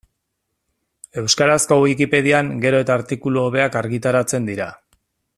Euskarazko Wikipedian gero eta artikulu hobeak argitaratzen dira.